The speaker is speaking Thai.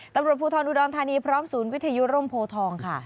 ตำรวจภูทรอุดรธานีพร้อมศูนย์วิทยุร่มโพทองค่ะ